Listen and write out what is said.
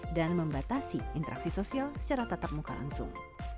dan membatasi interaksi sosial secara tatap muka langsung